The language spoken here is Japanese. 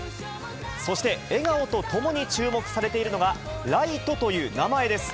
そして、笑顔とともに注目されているのが、礼都という名前です。